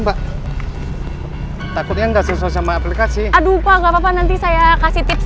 pak takutnya nggak sesuai sama aplikasi aduh pak nggak papa nanti saya kasih tips